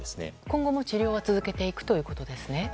今後も治療は続けていくということですね。